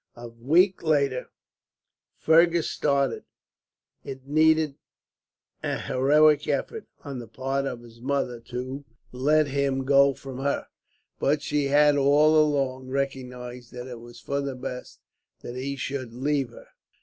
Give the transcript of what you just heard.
A week later, Fergus started. It needed an heroic effort, on the part of his mother, to let him go from her; but she had, all along, recognized that it was for the best that he should leave her.